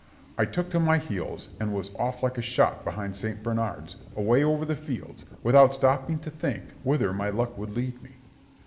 I took to my heels, and was off like a shot behind St. Bernard's, away over the fields, without stopping to think whither my luck would lead me.